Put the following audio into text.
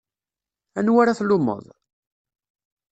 Anwa ara tlummeḍ?